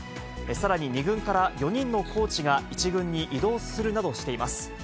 さらに２軍から４人のコーチが１軍に異動するなどしています。